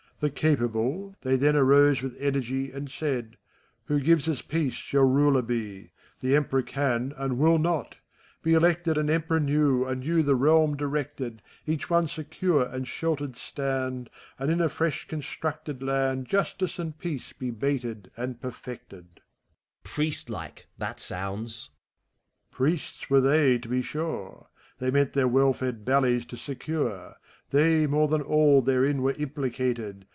The Capable, they then arose with energy, And said : ''Who gives us Peace, shall ruler be. The Emperor can and will not I— Be elected An Emperor new, anew the realm directed, Each one secure and sheltered stand, And in a fl^esh constructed land Justice and Peace be mated and perfected I" I»AUST, Priest like, that sounds. KXPHISTOPHELXS. Priests Were they, to be tur^ ; They meant their well fed bellies to secure ; They, more than all, therein were implicated.